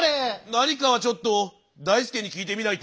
何かはちょっとだいすけに聞いてみないと。